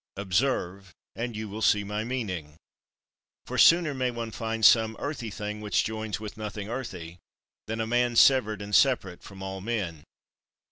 Observe and you will see my meaning: for sooner may one find some earthy thing which joins with nothing earthy, than a man severed and separate from all men.